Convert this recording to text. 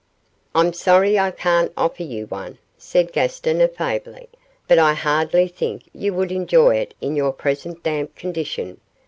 'I'm sorry I can't offer you one,' said Gaston, affably, 'but I hardly think you would enjoy it in your present damp condition.